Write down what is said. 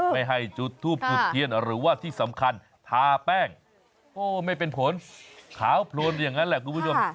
ไม่ให้จุดทูบจุดเทียนหรือว่าที่สำคัญทาแป้งโอ้ไม่เป็นผลขาวโพลนอย่างนั้นแหละคุณผู้ชม